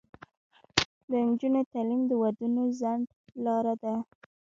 د نجونو تعلیم د ودونو ځنډ لاره ده.